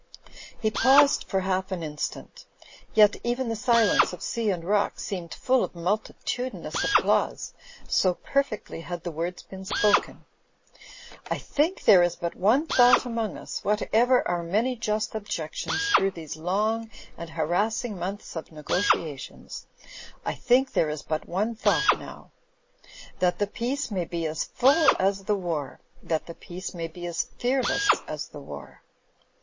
He paused for half an instant; yet even the silence of sea and rock seemed full of multitudinous applause, so perfectly had the words been spoken. "I think there is but one thought among us, what ever our many just objections through these long and harassing months of negotiations — I think there is but one thought now. That the peace may be as full as the war — ^that the peace may be as fearless as the war."